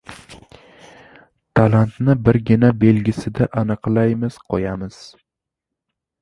Talantni birgina belgisida aniqlaymiz-qoʻyamiz.